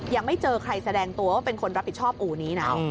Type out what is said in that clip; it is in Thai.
ยังไม่เจอใครแสดงตัวว่าเป็นคนรับผิดชอบอู่นี้นะ